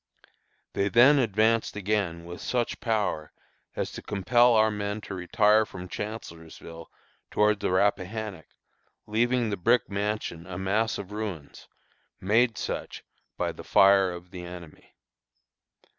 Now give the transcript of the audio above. They then advanced again with such power as to compel our men to retire from Chancellorsville toward the Rappahannock, leaving the brick mansion a mass of ruins, made such by the fire of the enemy.